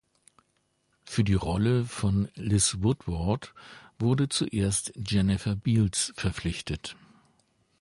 Für die Rolle von Liz Woodward wurde zuerst Jennifer Beals verpflichtet.